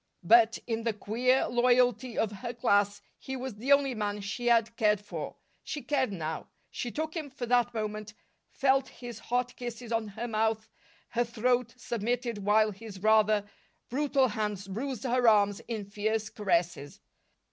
But, in the queer loyalty of her class, he was the only man she had cared for. She cared now. She took him for that moment, felt his hot kisses on her mouth, her throat, submitted while his rather brutal hands bruised her arms in fierce caresses.